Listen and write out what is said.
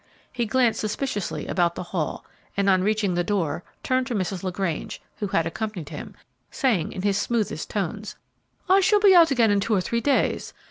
He glanced suspiciously about the hall, and, on reaching the door, turned to Mrs. LaGrange, who had accompanied him, saying, in his smoothest tones, "I shall be out again in two or three days.